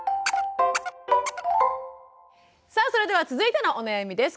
さあそれでは続いてのお悩みです。